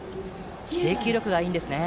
制球力がいいですね。